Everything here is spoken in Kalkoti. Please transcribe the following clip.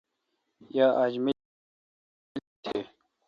یا اج ملی سلیخ گیل تھے۔